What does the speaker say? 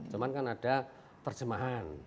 cuma kan ada terjemahan